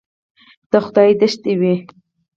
د خدای دښتې وې.